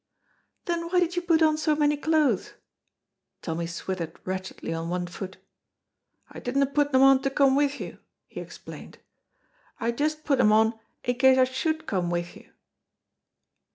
"Then why did you put on so many clothes?" Tommy swithered wretchedly on one foot. "I didna put them on to come wi' you," he explained, "I just put them on in case I should come wi' you."